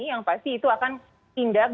yang pasti itu akan tindak